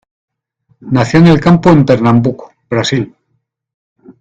Nació en el campo en Pernambuco, Brasil.